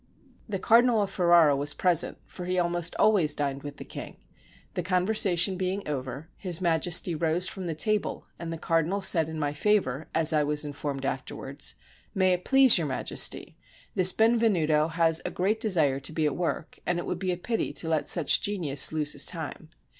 The Cardinal of Ferrara was present, for he almost always dined with the king : the conversation being over. His Majesty rose from the table, and the cardinal said in my favor, as I was informed afterwards: "May it please Your Majesty, this Benvenuto has a great desire to be at work, and it would be a pity to let such a genius lose his time."